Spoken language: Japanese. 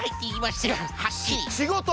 ししごと。